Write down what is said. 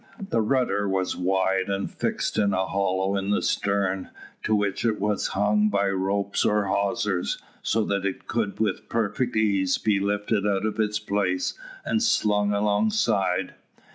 The rudder was wide and fixed in a hollow in the stern, to which it was hung by ropes or hawsers, so that it could with perfect ease be lifted out of its place and slung alongside.